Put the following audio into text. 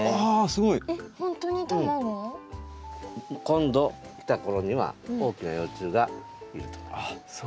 今度来たころには大きな幼虫がいると思います。